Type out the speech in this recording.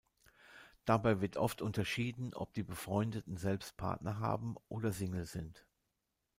Dabei wird oft unterschieden, ob die Befreundeten selbst Partner haben oder Single sind.